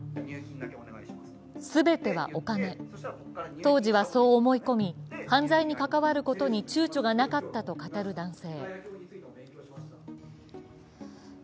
当時はそう思い込み、犯罪に関わることにちゅうちょがなかったと語る男性。